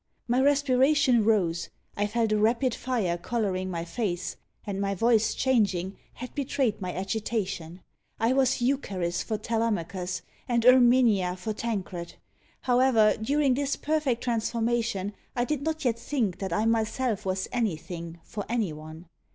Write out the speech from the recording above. "My respiration rose; I felt a rapid fire colouring my face, and my voice changing, had betrayed my agitation; I was Eucharis for Telemachus, and Erminia for Tancred; however, during this perfect transformation, I did not yet think that I myself was any thing, for any one.